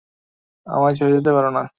আমায় ছেড়ে যেতে পারো না।